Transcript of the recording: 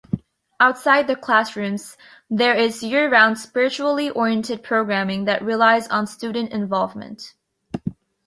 Outside the classrooms there is year-round spiritually oriented programming that relies on student involvement.